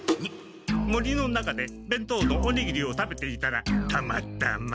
森の中でべんとうのおにぎりを食べていたらたまたま。